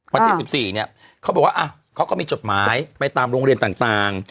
วันที่๑๔เนี่ยเขาบอกว่าเขาก็มีจดหมายไปตามโรงเรียนต่าง